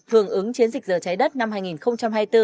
hưởng ứng chiến dịch giờ trái đất năm hai nghìn hai mươi bốn